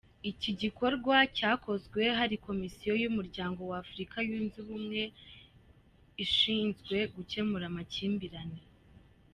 Iki gikorwa cyakozwe hari komisiyo y’umuryango w’Afurika yunze ubumwe ishyinzwe gukemura amakimbirane.